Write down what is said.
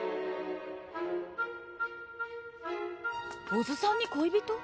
小津さんに恋人？